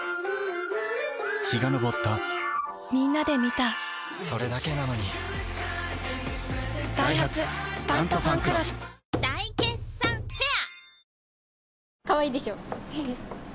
陽が昇ったみんなで観たそれだけなのにダイハツ「タントファンクロス」大決算フェア